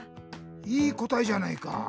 いいこたえじゃないか。